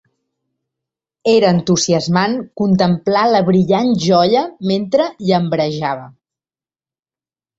Era entusiasmant contemplar la brillant joia mentre llambrejava.